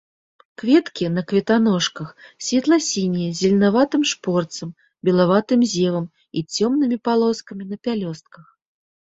Кветкі на кветаножках, светла-сінія з зеленаватым шпорцам, белаватым зевам і цёмнымі палоскамі на пялёстках.